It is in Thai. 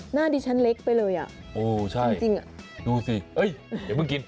หน้าดิฉันเล็กไปเลยอ่ะจริงอ่ะดูสิเฮ้ยเดี๋ยวเพิ่งกิน